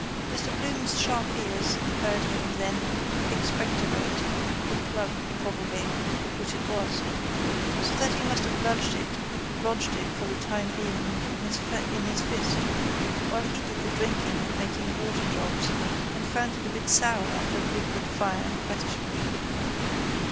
Mr Bloom's sharp ears heard him then expectorate the plug probably (which it was), so that he must have lodged it for the time being in his fist while he did the drinking and making water jobs and found it a bit sour after the liquid fire in question.